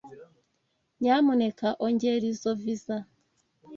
Nyamuneka ongera izoi viza.